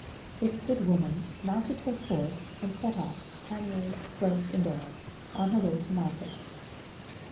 This good woman mounted her horse, and set off, panniers, cloak, and all, on her way to market.